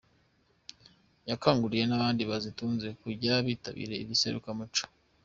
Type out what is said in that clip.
Yakanguriye n’abandi bazitunze kujya bitabira iri serukiramuco.